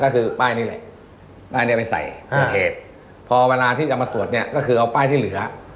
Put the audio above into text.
ก็คือป้ายนี้แหละป้ายเนี้ยไปใส่เกิดเหตุพอเวลาที่จะมาตรวจเนี่ยก็คือเอาป้ายที่เหลือ